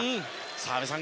澤部さん